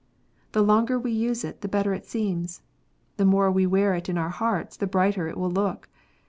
The longer we use it the better it seems. The more we wear it in our hearts the brighter it will look.